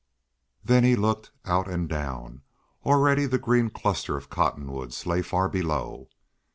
Then he looked out and down; already the green cluster of cottonwoods lay far below.